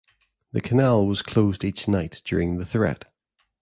The canal was closed each night during the threat.